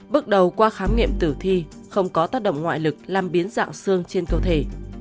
bước đầu qua khám nghiệm tử thi không có tác động ngoại lực làm biến dạng xương trên cơ thể